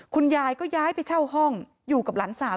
คุณยายก็ย้ายไปเช่าห้องอยู่กับหลานสาว